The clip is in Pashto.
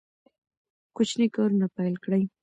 کوچني کارونه پیل کړئ.